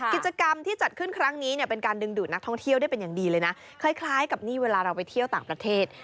กิจกรรมที่จัดขึ้นครั้งนี้เนี่ยเป็นการดึงดูดนักท่องเที่ยวได้อย่างดีเลยนะ